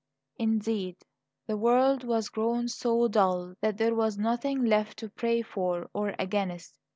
Indeed, the world was grown so dull that there was nothing left to pray for or against.